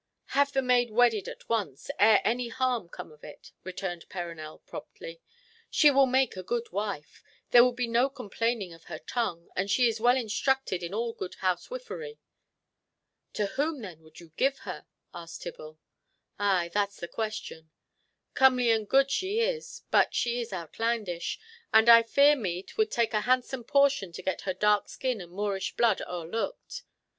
"Have the maid wedded at once, ere any harm come of it," returned Perronel promptly. "She will make a good wife—there will be no complaining of her tongue, and she is well instructed in all good housewifery." "To whom then would you give her?" asked Tibble. "Ay, that's the question. Comely and good she is, but she is outlandish, and I fear me 'twould take a handsome portion to get her dark skin and Moorish blood o'erlooked.